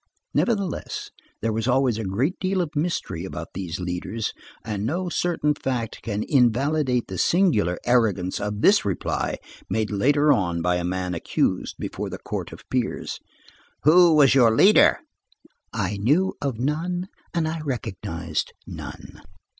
Nevertheless, there was always a great deal of mystery about these leaders, and no certain fact can invalidate the singular arrogance of this reply made later on by a man accused before the Court of Peers:— "Who was your leader?" _"I knew of none and I recognized none."